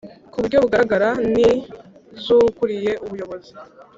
ku buryo bugaragara n iz ukuriye Ubuyobozi